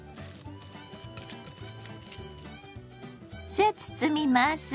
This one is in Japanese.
さあ包みます！